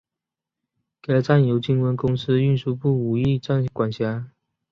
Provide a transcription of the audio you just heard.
该站由金温公司运输部武义站管辖。